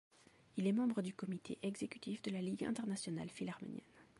Il est membre du Comité exécutif de la Ligue Internationale philarménienne.